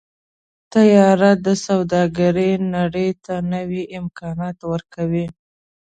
طیاره د سوداګرۍ نړۍ ته نوي امکانات ورکوي.